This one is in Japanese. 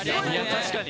確かに。